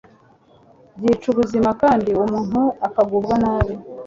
byica ubuzima kandi umuntu akagubwa nabi